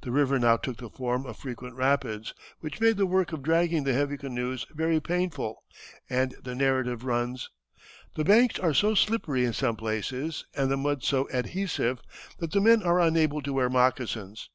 The river now took the form of frequent rapids, which made the work of dragging the heavy canoes very painful, and the narrative runs: "The banks are so slippery in some places, and the mud so adhesive, that the men are unable to wear moccasins.